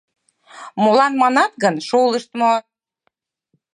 Молан манат гын, шолыштмо.